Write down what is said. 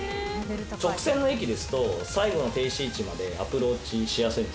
直線の駅ですと、最後の停止位置までアプローチしやすい。